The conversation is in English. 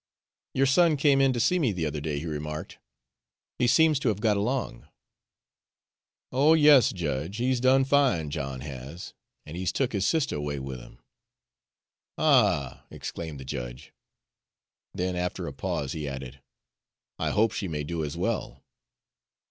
"Your son came in to see me the other day," he remarked. "He seems to have got along." "Oh, yes, judge, he's done fine, John has; an' he's took his sister away with him." "Ah!" exclaimed the judge. Then after a pause he added, "I hope she may do as well."